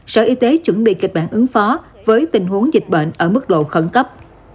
sở y tế chuẩn bị kịch bản ứng phó với tình huống dịch bệnh ở mức độ khẩn cấp